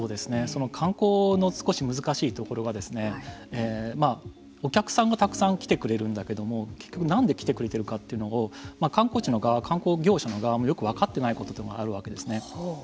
観光の少し難しいところはお客さんがたくさん来てくれるんだけれども結局、なんで来てくれているかというのを観光地の側観光業者の側もよく分かっていないことがあるわけですね。